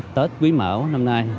tết quý mão năm nay